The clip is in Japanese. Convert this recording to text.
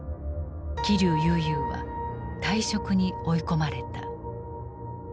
桐生悠々は退職に追い込まれた。